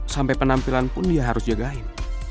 sampai penampilan pun dia harus jagain